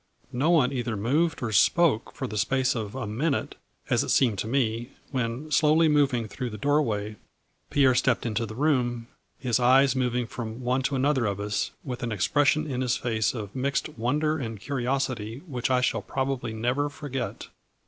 No one either moved or spoke for the space of a minute, as it seemed to me, when, slowly moving through the doorway, Pierre stepped into the room, his eyes moving from one to another of us, with an expression in his face of mixed wonder and curiosity which I shall prob ably never forget.